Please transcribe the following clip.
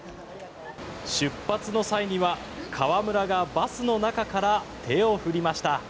出発の際には河村がバスの中から手を振りました。